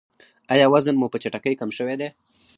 ایا وزن مو په چټکۍ کم شوی دی؟